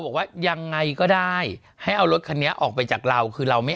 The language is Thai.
บอกว่ายังไงก็ได้ให้เอารถคันนี้ออกไปจากเราคือเราไม่